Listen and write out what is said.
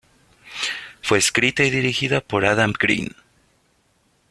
Fue escrita y dirigida por Adam Green.